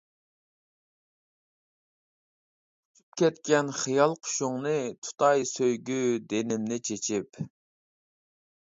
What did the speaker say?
ئۇچۇپ كەتكەن خىيال قۇشۇڭنى، تۇتاي سۆيگۈ دېنىمنى چېچىپ.